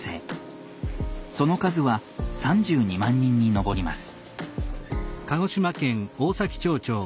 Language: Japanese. その数は３２万人に上ります。